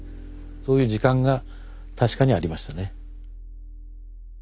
そういう時間が確かにありましたね。